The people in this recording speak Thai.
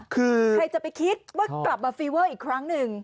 คือใครจะไปคิดว่ากลับมาฟีเวอร์อีกครั้งหนึ่ง